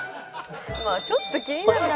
「まあちょっと気になるけど」